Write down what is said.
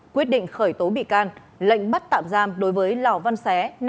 quyết định khởi tố bị can lệnh bắt tạm giam đối với lò văn xé